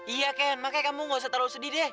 iya ken makanya kamu gak usah terlalu sedih deh